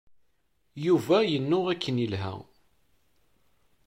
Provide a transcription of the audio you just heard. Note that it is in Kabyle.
Yuba yennuɣ akken yelha.